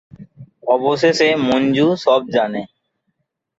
অবশেষে মঞ্জু সব জানে।